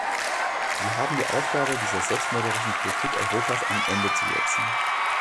Wir haben die Aufgabe, dieser selbstmörderischen Politik Europas ein Ende zu setzen.